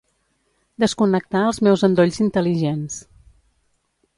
Desconnectar els meus endolls intel·ligents.